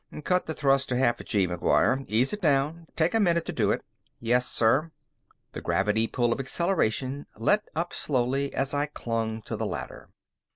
"Cut the thrust to half a gee, McGuire. Ease it down. Take a minute to do it." "Yes, sir." The gravity pull of acceleration let up slowly as I clung to the ladder.